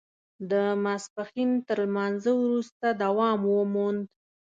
د ماسپښین تر لمانځه وروسته دوام وموند.